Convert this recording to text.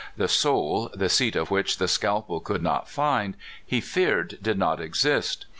The soul, the seat of which the scalpel could not find, he feared did not exist.